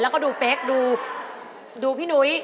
แล้วก็ดูเฟคดูดูพี่หนุ๊ย